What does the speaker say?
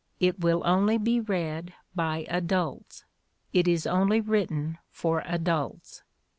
"It will only be read by adults. It is only written for adults."